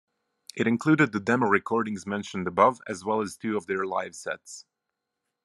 It included the demo-recordings mentioned above as well as two of their live-sets.